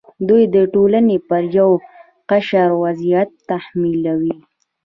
دوی د ټولنې پر یو قشر وضعیت تحمیلوي.